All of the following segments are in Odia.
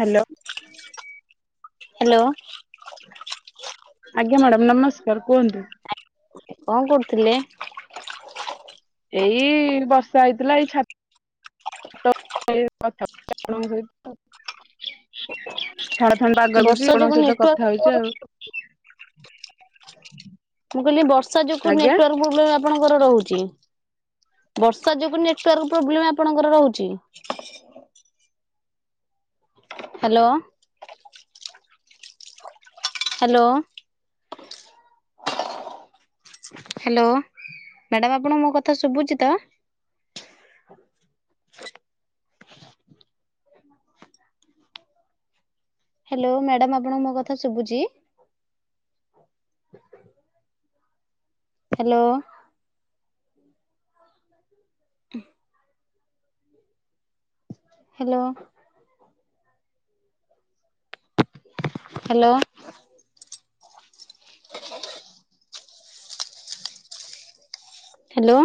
ହାଲୋ। ହ୍ୟାଲୋ। ଆଜ୍ଞା ମ୍ୟାଡ଼ାମ ନମସ୍କାର କୁହନ୍ତୁ। କଣ କରୁଥିଲେ? ଏଇ ବର୍ଷା ହେଇଥିଲା ଏଇ ଛା [unintelligible] ଠଣ୍ଡା ଠଣ୍ଡା [unintelligible] ବର୍ଷା ଆପଣଙ୍କ ଯୋଗୁ ସହିତ ନେଟୱାର୍କ କଥା ହଉଛି ମୁଁ ଆଉ। [inaudible] ମୁଁ କହିଲି ବର୍ଷା ଯୋଗୁ ଆଜ୍ଞା ନେଟୱର୍କ ପ୍ରୋବ୍ଲେମ ଆପଣଙ୍କର ରହୁଛି। ବର୍ଷା ଯୋଗୁ ନେଟୱର୍କ ପ୍ରୋବ୍ଲେମ୍ ଆପଣଙ୍କର ରହୁଛି। ହାଲୋ। ହାଲୋ। ହାଲୋ ମ୍ୟାଡାମ୍ ଆପଣଙ୍କୁ ମୋ କଥା ଶୁବୁଚି ତ? ହାଲୋ ମ୍ୟାଡାମ୍ ଆପଣଙ୍କୁ ମୋ କଥା ଶୁବୁଚି? Hello. Hello. Hello. Hello.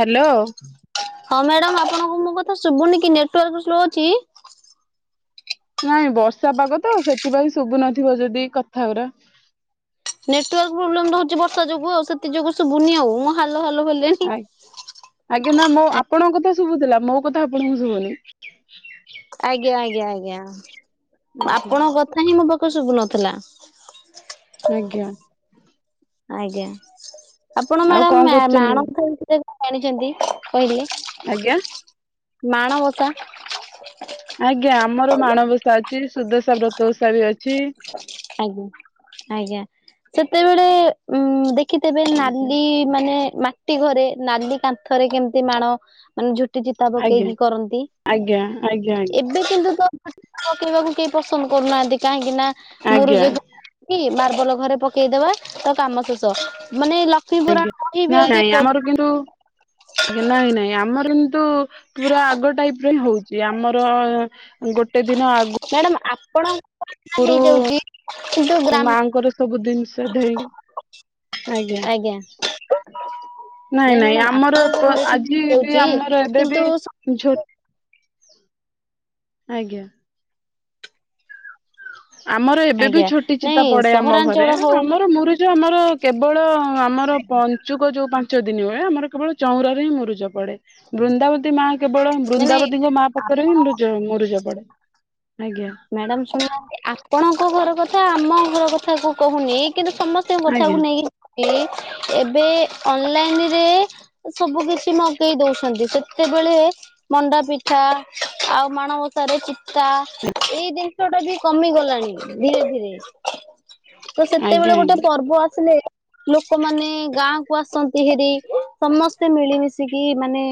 Hello. ହଁ ମ୍ୟାଡମ୍ ଆପଣଙ୍କୁ ମୋ କଥା ଶୁବୁନି କି? ନେଟୱାର୍କ ସ୍ଲୋ ଅଛି? ନାଇଁ ବର୍ଷା ପାଗ ତ ସେଥିପାଇଁ ଶୁବୁନଥିବ ଯଦି କଥାଗୁରା। ନେଟୱାର୍କ ପ୍ରୋବ୍ଲେମ୍ ରହୁଚି ବର୍ଷା ଯୋଗୁ ଆଉ ସେଥି ଯୋଗୁ ଶୁବୁନି ଆଉ ମୁଁ ହାଲୋ ହାଲୋ ହେଲିଣି। ଆ ଆଜ୍ଞା ନାଁ ମୋ ଆପଣଙ୍କ କଥା ଶୁବୁଥିଲା ମୋ କଥା ଆପଣଙ୍କୁ ଶୁବୁନି। ଆଜ୍ଞା ଆଜ୍ଞା ଆଜ୍ଞା ଆଜ୍ଞା। ଆପଣଙ୍କ କଥା ହିଁ ମୋ ପାଖୁ ଶୁବୁନଥୁଲା। ଆଜ୍ଞା। ଆଜ୍ଞା ଆପଣ ଆଉ ମ୍ୟାଡାମ୍ କଣ ମ୍ୟା କରୁଛନ୍ତି ମ୍ୟାଣ ଏବେ? [inaudible] ଜାଣିଛନ୍ତି କହିଲେ। ଆଜ୍ଞା? ମାଣବସା। ଆଜ୍ଞା ଆମର ମାଣବସା ଅଛି ସୁଦଶା ବ୍ରତ ଓଷା ବି ଅଛି। ଆଜ୍ଞା ଆଜ୍ଞା ସେତେବେଳେ ଉଁ ଦେଖିଥେବେ ଆଜ୍ଞା ନାଲି ମାନେ ମାଟି ଘରେ ନାଲି କାନ୍ଥରେ କେମତି ମାଣ ମାନେ ଝୋ ଟି ଚିତା ଆଜ୍ଞା ପକେଇକି କରନ୍ତି ଆଜ୍ଞା ଆଜ୍ଞା ଏ ବେ କିନ୍ତୁ ତ ପକେଇବାକୁ କେହି ପସନ୍ଦ କରୁନାହାନ୍ତି କାହିଁକି ନା ମୂରୁଜ ଆଜ୍ଞା। ଇ ମାର୍ବଲ ଘରେ ପକେଇଦେବା ତ କାମ ଶେଷ ମାନେ ଲ ଆଜ୍ଞା ନାଁ ନାଇଁ ଆମର କିନ୍ତୁ ଆଜ୍ଞା ନାଇଁ ନାଇଁ ଆମର କିନ୍ତୁ ପୁରା ଆଗ ଟାଇପ୍ ର ହିଁ ହଉଚି ଆମର ଗୋଟେ ଦିନ ଆଗୁ ମ୍ୟାଡ଼ମ୍ ଆପଣ ଉରୁ ଓ ଗ୍ରାମ ମାଆଙ୍କର ସବୁ ଦିନ୍ ସେ ଧେଇ ଆଜ୍ଞା। ନାଇଁ ନାଇଁ ମ୍ୟାଡାମ ଆମର ଆପଣଙ୍କ ଏପ ଘରେ ସିନା ଆଜି ବି ହେଇଯାଉଛି ଆମର ଏବେ କିନ୍ତୁ ବି ଝୋ ଆଜ୍ଞା। ଆମର ଏବେ ବି ଆଜ୍ଞା ଝୋଟି ଚିତା ନାଇଁ ପଡ଼େ ଆମ ଘରେ ସହରାଞ୍ଚଳ ହଉ ଆମର ମୂରୁଜ ଆମର କେବଳ ଆମର ପ ଚୁକ ଯୋଉ ପାଞ୍ଚ ଦିନି ହୁଏ ଆମର କେବଳ ଚଉଁରାରେ ହିଁ ମୂରୁଜ ପଡ଼େ। ବୃନ୍ଦାବତୀ ମା କେବଳ ମାନେ ବୃନ୍ଦାବତୀଙ୍କ ମା ପାଖରେ ହିଁ ମୃଜ ମୂରୁଜ ପଡ଼େ। ଆଜ୍ଞା। ମ୍ୟାଡ଼ାମ୍ ଶୁଣ ଆପଣଙ୍କ ଘର କଥା ଆମ ଘର କଥାକୁ କହୁନି। କିନ୍ତୁ ସମସ୍ତେଙ୍କ ଆଜ୍ଞା କଥାକୁ ନେଇ ଇ ଏବେ ଅନଲାଇନ୍ ରେ ସବୁ କିଛି ମଗେଇ ଦୋଉଛନ୍ତି ସେତେବେଳେ ମଣ୍ଡା ପିଠା ଆଉ ମାଣବସାରେ ଚିତା ଏଇ ଦିନଷଟା ବି କମିଗଲାଣି ଧୀରେ ଧୀରେ। ତ ଆଜ୍ଞା ସେତେବେଳେ ଗୋଟେ ଆଜ୍ଞା ପର୍ବ ଆସିଲେ ଲୋକମାନେ ଗାଁକୁ ଆସନ୍ତି ହିରି। ସମସ୍ତେ ମିଳିମିଶିକି ମାନେ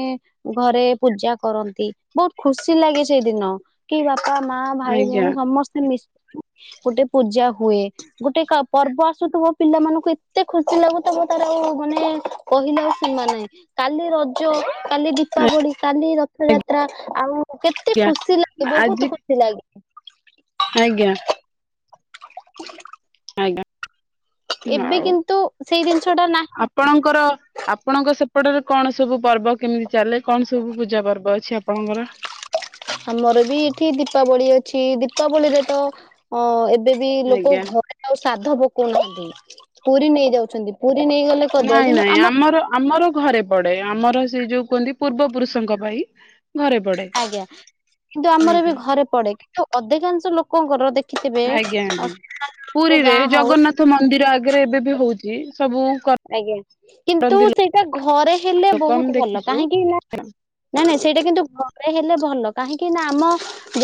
ଘରେ ପୂଜା କରନ୍ତି ବହୁତ ଖୁସି ଲାଗେ ସେଦିନ କି ବା ମା ଭାଇ ଭଉଣୀ ସମସ୍ତେ ମିଶିକ ଗୋଟେ ପୂଜା ହୁଏ। ଗୋଟେ ପର୍ବ ଆସୁଥିବ ପିଲା ମାନଙ୍କୁ ଏତେ ଖୁସି ଲାଗୁଥବ ତାର ଆଉ ମାନେ କହିଲେ ଆଉ ସିମା ନାହିଁ। କାଲି ରଜ କାଲି ଆଜ୍ଞା ଦୀପାବଳି କାଲି ରଥଯାତ୍ରା ଆଉ କେତେ ଆଜ୍ଞା ଖୁସି ଲାଗିବ ଆଜି ବହୁତ ଖୁସି ଲାଗେ। ଆଜ୍ଞା। [inaudible] ଆଜ୍ଞା। ଏବେ କିନ୍ତୁ ସେଇ ଜିନିଷଟା ନାହିଁ ଙ୍କର। ଆପଣଙ୍କ ସେପଟରେ କଣ ସବୁ ପର୍ବ କେମିତି ଚାଲେ କଣ ସବୁ ପୂଜା ପର୍ବ ଅଛି ଆପଣଙ୍କର? ଆମର ବି ଏଠି ଦୀପାବଳି ଅଛି ଦୀପାବଳିରେ ତ ଅ ଏବେ ବି ଲୋକ ଆଜ୍ଞା ଘରେ ଆଉ ସାଦ୍ଧ ପକଉନାହାନ୍ତି ପୁରୀ ନେଇଯାଉଛନ୍ତି ପୁରୀ ନେଇଗଲେ କରିଦବା ନାଇଁ କିନ୍ତୁ ନାଇଁ ଆମ ଆମର ଆମର ଘରେ ପଡେ ଆମର ସେଇ ଯୋଉ କୁହନ୍ତି ପୂର୍ବ ପୁରୁଷଙ୍କ ପାଇଁ ଘରେ ପଡ଼େ। ଆଜ୍ଞା କିନ୍ତୁ ଆମର ଏ ବି ଘରେ ପଡେ କିନ୍ତୁ ଅଧିକାଂଶ ଲୋକଙ୍କର ଦେଖ ଦେଖିବେ ଆଜ୍ଞା ସବୁ ଗାଁ ହଉ ତ ମନ୍ଦିର ଆଗରେ ଏବେ ବି ହଉଛି ସବୁ ଆଜ୍ଞା କିନ୍ତୁ କରନ୍ତି ସେଇଟା ଘରେ ହେଲେ ଲୋକ ଆମେ ବହୁତ ଭଲ ଦେଖିଛୁ କାହିଁକି ନା ନାଇଁ ନାଇଁ ସେଇଟା କିନ୍ତୁ ଘରେ ହେଲେ ଭଲ କାହିଁକି ନା ଆମ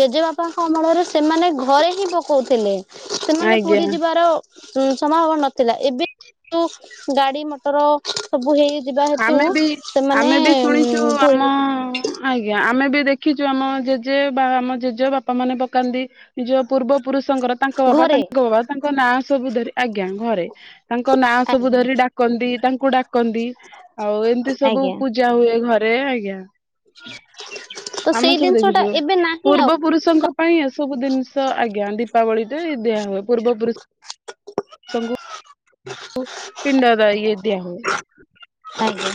ଜେଜେବାପାଙ୍କ ଅମଳରେ ସେମାନେ ଘରେ ହିଁ ପକଉଥିଲେ। ସେମାନେ ଆଜ୍ଞା ପୁରୀ ଯିବାର ଉ ସମ୍ଭାବନା ନଥିଲା ଏବେ କିନ୍ତୁ ଗାଡି ମଟର ସବୁ ହେଇଯିବା ହେତୁ ଆମେ ବି ସେମାନେ ଆମେ ବି ଶୁଣିଛୁ ଆମ ପୁରୀ ଆଜ୍ଞା ଆମେ ବି ଦେଖିଛୁ ଆମ ଜେଜେ ବା ଆମ ଜେଜେ ବାପାମାନେ ପକାନ୍ତି। ନିଜ ପୂର୍ବ ପୁରୁଷଙ୍କର ତାଙ୍କ ବାପ ତା ଘରେ ବାପା ତାଙ୍କ ନାଁ ସବୁ ଧରି ଆଜ୍ଞା ଘରେ। ତାଙ୍କ ନାଁ ସବୁ ଆଜ୍ଞା ଧରି ଡାକନ୍ତି ତାଙ୍କୁ ଡାକନ୍ତି ଆଉ ଏମିତି ସବୁ ଆଜ୍ଞା ପୂଜା ହୁଏ ଘରେ ଆଜ୍ଞା। ତ ଆମେ ସେଇ ସବୁ ଜିନିଷ ଟା ଦେଖିଛୁ ଏବେ ନାହିଁ ଆଉ ପୂର୍ବ ପୁରୁଷଙ୍କ ପାଇଁ ଏସବୁ ଜିନିଷ ଆଜ୍ଞା ଦୀପାବଳିରେ ଦିଆ ହୁଏ ପୂର୍ବପୁରୁଷ ସବୁ ସବୁ ପିଣ୍ଡ ଦିଆ ହୁଏ। ହଁ।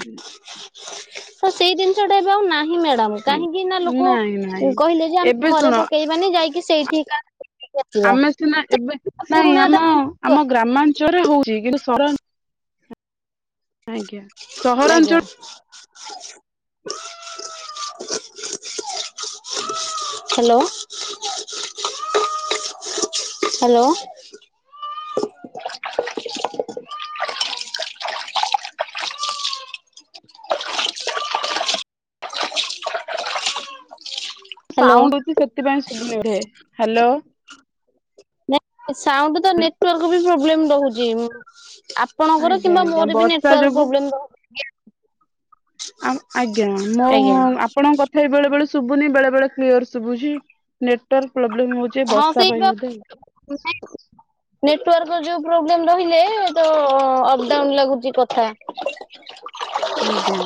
ତ ସେଇ ଜିନିଷଟା ଏବେ ଆଉ ନାହିଁ ମ୍ୟାଡାମ କାହିଁକି ନା ଲୋକ ନାଇଁ ନାଇଁ କହିଲେ ଯେ ଆମେ ଏବେ ଘରେ ଶୁଣ ପକେଇ ମାନେ ଯାଇକି ସେଇଠିକା ଆମେ ସିନା ଏବେ ନାଇଁ ପୁରୁଣା ଟା ଆମ ଆମ ଗ୍ରାମାଞ୍ଚଳରେ ହଉଛି କିନ୍ତୁ ସହରାଞ୍ଚଳ ଆଜ୍ଞା ଆଜ୍ଞା ସହରାଞ୍ଚଳ ହ୍ୟାଲୋ ହ୍ୟାଲୋ। ହ୍ୟାଲୋ ସାଉଣ୍ଡ ହଉଛି ସେଥିପାଇଁ ଶୁଭୁନି ବୋଧେ। ନାଇ ସାଉଣ୍ଡ ତ ନେଟୱାର୍କ ବି ପ୍ରୋବ୍ଲେମ ରହୁଛି ଆପ ଆପଣଙ୍କର ଆଜ୍ଞା କିମ୍ବା ଆଜ୍ଞା ମୋର ବି ବର୍ଷା ର୍ନେଟୱାର୍କ ଯୋଗୁ ପ୍ରୋବ୍ଲେମ ରହୁଛି ଆ ଆଜ୍ଞା ମୁଁ ଆଜ୍ଞା। ଆପଣଙ୍କ କଥା ବି ବେଳେ ବେଳେ ଶୁଭୁନି ବେଳେ ବେଳେ କ୍ଲିୟର ଶୁଭୁଛି। ନେଟୱାର୍କ ପ୍ରୋବ୍ଲେମ ହଉଛି ହଁ ବର୍ଷା ସେଇ ପାଇଁ ବା ବୋଧେ? [inaudible] [inaudible] ନେଟୱାର୍କ ଯୋଉ ପ୍ରୋବ୍ଲେମ ରହିଲେ ତ ଅପଡାଉନ୍ ଲାଗୁଛି କଥା। ଆଜ୍ଞା।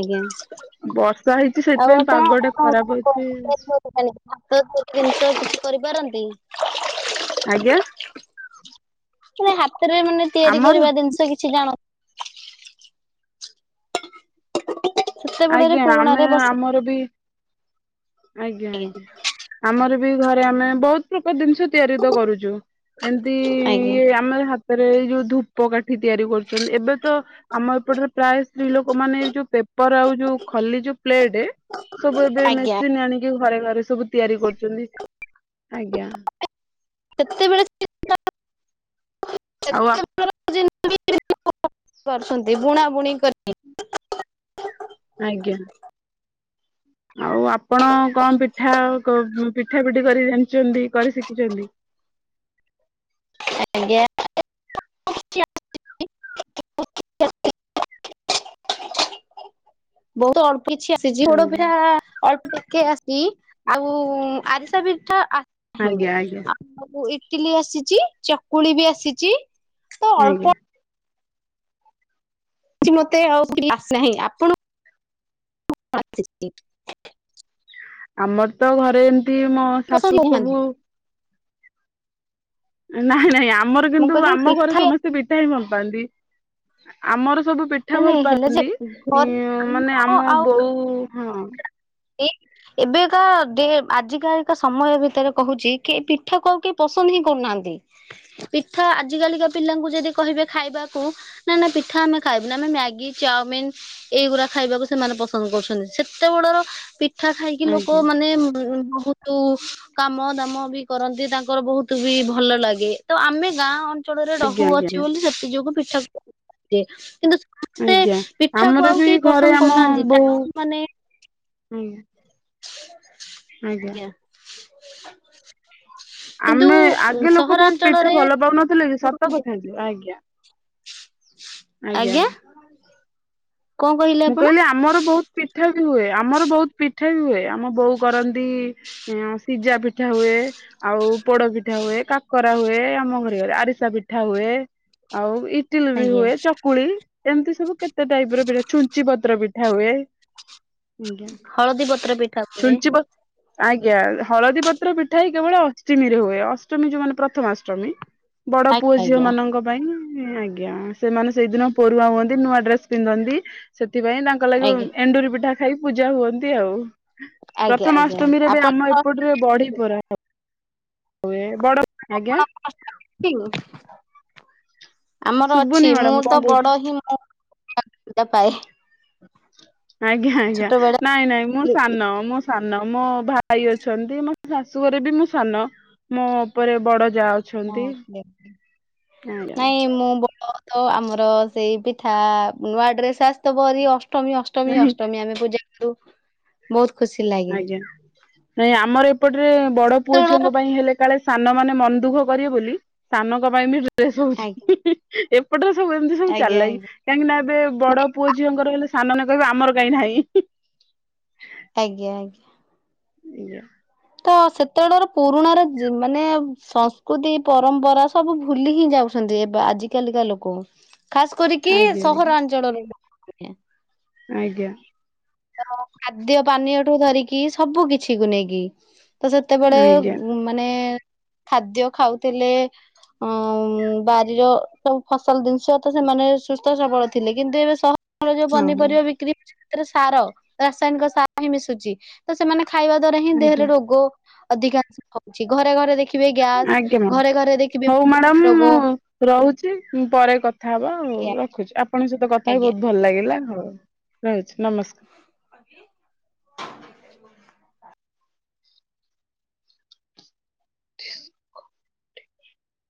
ଆଜ୍ଞା, ବର୍ଷା ହେଇଛି ଆଉ ସେଥିପାଇଁ ଆପଣ ପାଗ ଟା ଖରାପ କଣ ଅଛି [unintelligible] ହାତ ତିଆରି ଜିନିଷ, କିଛି କରିପାରନ୍ତି? ଆଜ୍ଞା। ମାନେ ହାତରେ, ମାନେ ତିଆରି ଆମର କରିବା ଜିନିସ କିଛି ଜାଣ ସେତେବେଳେରେ, ଆଜ୍ଞା ଆମେ ପୁରୁଣାରେ ବସି ଆମର ବି ଆଜ୍ଞା, ଆଜ୍ଞା, ଆମର ବି ଘରେ, ଆମେ ବହୁତ ପ୍ରକାର ଜିନିଷ ତିଆରି ତ କରୁଚୁ। ଏମତି, ଆଜ୍ଞା ଇଏ ଆମ ହାତରେ ଏଇ ଯୋଉ ଧୂପ କାଠି ତିଆରି କରୁଛନ୍ତି, ଏବେ ତ ଆମ ଏପଟରେ, ପ୍ରାୟ ସ୍ତ୍ରୀ ଲୋକ ମାନେ ଯୋଉ ପେପର ଆଉ ଯୋଉ ଖଲି, ଯୋଉ ପ୍ଲେଟ ସବୁ ଏବେ ଆଜ୍ଞା ମେସିନ୍ ଆଣିକି, ଘରେ ଘରେ ସବୁ ତିଆରି କରୁଛନ୍ତି। ଆଜ୍ଞା। ସେତେବେଳେ [unintelligible] ଆଉ [unintelligible] ପାରୁଛନ୍ତି, ବୁଣା ବୁଣି କରି ଆଜ୍ଞା। ଆଉ ଆପଣ କଣ ପିଠା, ପିଠା ପିଠି କରି ଜଣିଛନ୍ତି, କରି ଶିଖିଛନ୍ତି। ଆଜ୍ଞା, [unintelligible] ବହୁତ ଅଳ୍ପ କିଛି ଆସିଛି, ଆଜ୍ଞା ପୋଡ଼ପିଠା ଅଳ୍ପ ଟିକେ ଆସି, ଆଉ ଆରିସା ପିଠା ଆଜ୍ଞା ଆଜ୍ଞା [unintelligible] ସବୁ ଇଟିଲି ଆସିଚି, ଚକୁଳି ବି ଆସିଛି। ତ ଆଜ୍ଞା। ଅଳ୍ପ କି ମତେ ଆଉ କିଛି ଆସିନାହିଁ, ଆପଣ [unintelligible] ଆମର ତ ଘରେ ଏମତି, ମୋ ପସନ୍ଦ ଶାଶୁ ସବୁ ନାହାନ୍ତି। ନାଇଁ ନାଇଁ, ଆମର ମୁଁ କିନ୍ତୁ, କହିଲି ଆମ ଘରେ ପିଠା ସମସ୍ତେ ପିଠା ହିଁ ଭଲ ପାଆନ୍ତି, ଆମର ସବୁ ପିଠା ନାଇଁ ଭଲ ନାଇଁ ହେଲେ ଯେ ପାଆନ୍ତି, ଇଁ ଘର ମାନେ ଆମ ବୋଉ, ହଁ। ଏ। ଏବେକା ଡେ, ଆଜିକାଲିକା ସମୟ ଭିତରେ କହୁଛି, କି ପିଠା କୁ ଆଉ କେଇ ପସନ୍ଦ ହିଁ କରୁନାହାନ୍ତି। ପିଠା, ଆଜି କାଲିକା ପିଲାଙ୍କୁ ଯଦି କହିବେ ଖାଇବାକୁ ନା ନା, ପିଠା ଆମେ ଖାଇବୁ ନି, ଆମେ ମ୍ୟାଗି ଚାଓମିନ ଏଇଗୁରା ଖାଇବାକୁ ସେମାନେ ପସନ୍ଦ କରୁଛନ୍ତି, ସେତେ ବେଳର ପିଠା ଖାଇକି ଲୋକ ଆଜ୍ଞା ମାନେ, ଉ ବହୁତ କାମ ଦାମ ବି କରନ୍ତି, ତାଙ୍କର ବହୁତ ବି ଭଲ ଲାଗେ, ତ ଆମେ ଗାଁ ଅ ଅଞ୍ଚଳରେ ଆଜ୍ଞା ରହୁ ଅଛି ଆଜ୍ଞା ବୋଲି, ସେଥି ଯୋଗୁ ପିଠା ସିଖିଚି, କିନ୍ତୁ ସମସ୍ତେ ଆଜ୍ଞା, ପିଠା କୁ ଆମର ଆଉ ବି କେହି ଘରେ, ପସନ୍ଦ ଆମ କରୁନାହାନ୍ତି ବୋଉ, ଟାଉନ ମାନେ ଆଜ୍ଞା। ଆଜ୍ଞା। ଆମେ, ଆଗେ ଲୋକ ବହୁତ ପିଠା ଭଲ ପାଉନଥିଲେ କି, ସତ କଥା ଯେ, ଆଜ୍ଞା। ଆଜ୍ଞା। କଣ କହିଲେ ମୁଁ ଆପଣ କହିଲି, ଆମର ବହୁତ ପିଠା ବି ହୁଏ, ଆମର ବହୁତ ପିଠା ବି ହୁଏ। ମୋ ବୋଉ କରନ୍ତି, ସିଜା ପିଠା ହୁଏ। ଆଉ ପୋଡପିଠା ହୁଏ, କାକରା ହୁଏ, ଆମ ଘରେ ଗଲେ, ଆରିସା ପିଠା ହୁଏ। ଆଉ ଇଟିଲି ବି ଆଜ୍ଞା ହୁଏ, ଚକୁଳି ଏମିତି ସବୁ କେତେ ଟାଇପ ର ପି ଛୁଞ୍ଚି ପତ୍ର ପିଠା ହୁଏ, ଆଜ୍ଞା, ହଳଦୀ ପତ୍ର ପିଠା ହୁଏ ଛୁଞ୍ଚି ପତ ଆଜ୍ଞା, ହଳଦୀ ପତ୍ର ପିଠା ଇ କେବଳ ଅଷ୍ଟିମୀରେ ହୁଏ, ଅଷ୍ଟମୀ ଯୋଉ ମାନେ ପ୍ରଥମାଷ୍ଟମୀ ବଡ ଆଜ୍ଞା ପୁଅ ଝିଅ ଆଜ୍ଞା ମାନଙ୍କ ଆଜ୍ଞା, ସେମାନେ ସେଇଦିନ ପରୁଆ ହୁଅନ୍ତି, ନୂଆ ଡ୍ରେସ ପିନ୍ଧନ୍ତି, ସେଥିପାଇଁ ତାଙ୍କ ଲାଗି ଆଜ୍ଞା ଏଣ୍ଡୁରି ପିଠା ଖାଇ, ପୂଜା ହୁଅନ୍ତି ଆଉ। ଆଜ୍ଞା ଆଜ୍ଞା ଆଜ୍ଞା ପ୍ରଥମାଅଷ୍ଟମୀରେ ବି, ଆପଣ ଆମ କଣ ଏପଟରେ ବଢି ପୁରା ହୁଏ ବଡ, ଆଜ୍ଞା। [inaudible] ଆମର ଶୁଭୁନି ଅଛି। ମୁଁ ମ୍ୟାଡାମ କଣ ତ କହୁଛ ବଡ଼ ହିଁ। ମୁଁ [inaudible] ପାଏ। ଆଜ୍ଞା ଆଜ୍ଞା। ଛୋଟ ବେଳେ ନାଇଁ ନାଇଁ। ମୁଁ ସାନ। ମୁଁ ସାନ। ମୋ ଭାଇ ଅଛନ୍ତି। ମ ଶାଶୁଘରେ ବି ମୁଁ ସାନ ମୋ ଉପରେ ବଡ ଯା ଅଛି। ହଁ ଥିଲେ ନାଇଁ ମୁଁ ବଡ଼। ତ ଆମର ସେଇ ପିଠା ନୂଆ ଡ୍ରେସ୍ ଆସିଥିବ ହେରି ଅଷ୍ଟମୀ ଅ ଅଷ୍ଟମୀ ଅଷ୍ଟମୀ ଆମେ ପୂଜା କରୁ ବହୁତ ଖୁସି ଲା ଆଜ୍ଞା ନାଇଁ ଆମର ଏପଟରେ ବଡ ପୁଅ ସେତେବେଳର ଝିଅଙ୍କ ପାଇଁ ହେଲେ କାଳେ ସାନ ମାନେ ମନ ଦୁଃଖ କରିବେ ବୋଲି ସାନଙ୍କ ପାଇଁ ବି ଡ୍ରେସ ଆଜ୍ଞା ହଉଛି। ଏପଟରେ ସବୁ ଏମିତି ସବୁ ଆଜ୍ଞା ଚାଲାକି। ଆଜ୍ଞା କାହିଁକିନା ଏବେ ନାଇଁ ବଡ ପୁଅ ଝିଅଙ୍କର ହେଲେ ସାନମାନେ କହିବେ ଆମର କାହିଁ ନାହିଁ। ଆଜ୍ଞା ଆଜ୍ଞା। ଆଜ୍ଞା। ତ ସେତେବେଳର ପୁରୁଣ ର ମାନେ ସଂସ୍କୃତି ପରମ୍ପରା ସବୁ ଭୁଲି ହିଁ ଯାଉ ଏବେ ଆଜି କାଲିକା ଲୋକ ଖାସ କରିକି ଆଜ୍ଞା ସହରାଞ୍ଚଳରୁ। ଆଜ୍ଞା। ତ ଖାଦ୍ୟ ପାନୀୟଠୁ ଧରିକି ସବୁ କିଛି କୁ ନେଇକି। ତ ସେତେବେଳେ ଆଜ୍ଞା ମାନେ ଖାଦ୍ୟ ଖାଉଥିଲେ ହଁ ବାରିର ସବୁ ଫସଲ ଜିନିଷ ତ ସେମାନେ ସୁସ୍ଥ ସବଳ ଥିଲେ କିନ୍ତୁ ଏବେ ସ ମର ଯୋଉ ହଁ ହଁ ପନିପରିବା ବିକ୍ରି ହଉଛି ସେଥିରେ ସାର ରାସାୟନିକ ସାର ହିଁ ମିଶୁଛି ତ ସେମାନେ ଖାଇବା ଦ୍ଵାରା ହିଁ ଆଜ୍ଞା ଦେହରେ ରୋଗ ଅଧିକାଂଶ ହଉଛି ଘରେ ଘରେ ଦେଖି ଦେଖିବେ ଗ୍ୟାସ୍ ଆଜ୍ଞା ମ୍ୟାଡ଼ାମ ଘରେ ଘରେ ଦେଖିବେ ହଉ ମ୍ୟାଡ଼ାମ ମରିଆ ମୁଁ ରୋଗ। ରହୁଛି ପରେ କଥା ହବା ଆଉ ରଖୁଛି ଆପଣଙ୍କ ସହିତ କଥା ହ ଆଜ୍ଞା ବହୁତ ଭଲ ଲାଗିଲା ହଉ। ରହୁଛି ନମସ୍କାର।